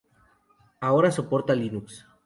Ahora soporta Linux.